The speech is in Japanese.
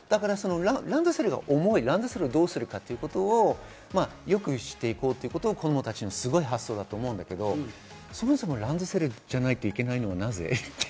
ランドセルが重い、どうするかということを良くして行こうということを子供たちのすごい発想だと思うんだけど、そもそもランドセルじゃないといけないのはなぜって。